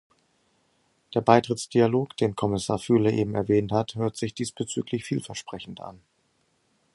Der Beitrittsdialog, den Kommissar Füle eben erwähnt hat, hört sich diesbezüglich vielversprechend an.